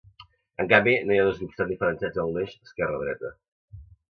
En canvi, no hi ha dos grups tan diferenciats en l’eix esquerra-dreta.